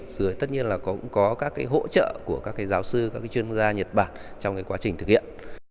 rồi tất nhiên là cũng có các hỗ trợ của các giáo sư các chuyên gia nhật bản trong quá trình thực hiện